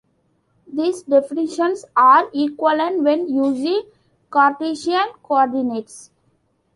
These definitions are equivalent when using Cartesian coordinates.